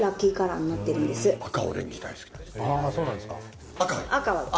あそうなんですか。